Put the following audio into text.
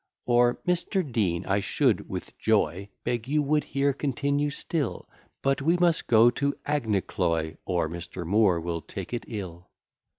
Or, "Mr. Dean I should with joy Beg you would here continue still, But we must go to Aghnecloy; Or Mr. Moore will take it ill."